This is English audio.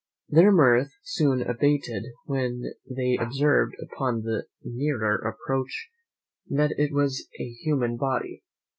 Their mirth soon abated when they observed upon the nearer approach that it was a human body.